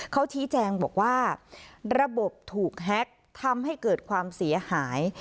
เขาชี้แจงบอกว่าระบบถูกแฮ็กทำให้เกิดความเสียหาย